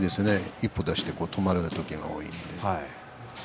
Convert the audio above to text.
１歩出して止まるとけが多いので。